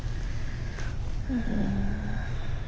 うん。